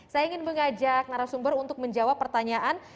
saya ingin mengajak narasumber untuk menjawab pertanyaan